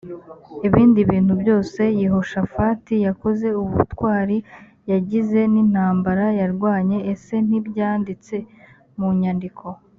ibindi bintu byose yehoshafati yakoze ubutwari yagize n intambara yarwanye ese ntibyanditse munyandiko